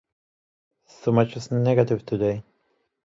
So much is negative today.